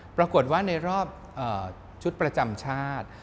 ปรากฏว่าในรอบชุดประจำชาติ